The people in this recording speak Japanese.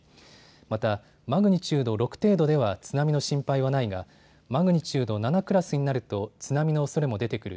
またマグニチュード６程度では津波の心配はないがマグニチュード７クラスになると津波のおそれも出てくる。